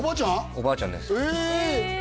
おばあちゃんですへえ